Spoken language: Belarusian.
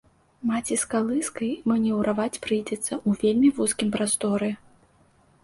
Маці з калыскай манеўраваць прыйдзецца ў вельмі вузкім прасторы.